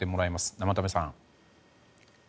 生田目さん。